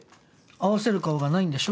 合わせる顔がないんでしょ？